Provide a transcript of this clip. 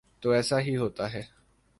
تو ایسا ہی ہوتا ہے۔